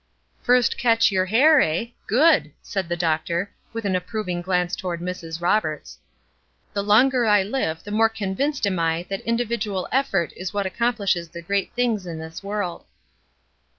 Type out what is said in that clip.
"First catch your hare, eh? Good!" said the doctor, with an approving glance towards Mrs. Roberts. "The longer I live the more convinced am I that individual effort is what accomplishes the great things in this world."